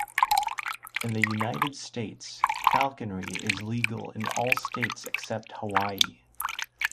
In the United States, falconry is legal in all states except Hawaii.